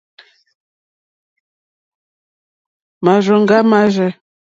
Márzòŋɡá mâ rzɛ̂.